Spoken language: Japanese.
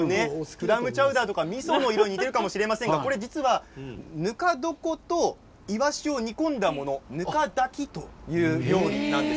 クラムチャウダーとかみその色に似ていますが、実はぬか床といわしを煮込んだものぬか炊きという料理なんです。